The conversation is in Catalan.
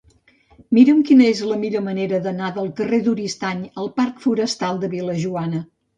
Mira'm quina és la millor manera d'anar del carrer d'Oristany al parc Forestal de Vil·lajoana.